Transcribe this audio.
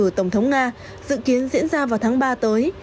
bầu cử tổng thống nga dự kiến diễn ra vào tháng ba tới